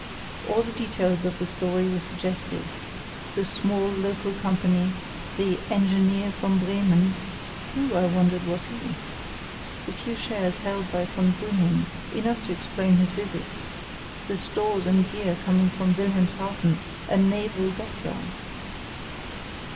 All the details of the story were suggestive: the "small local company"; the "engineer from Bremen" (who, I wondered, was he?); the few shares held by von Brüning, enough to explain his visits; the stores and gear coming from Wilhelmshaven, a naval dockyard.